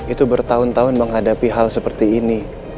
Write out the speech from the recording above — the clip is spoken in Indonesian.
itu bertahun tahun menghadapi hal seperti ini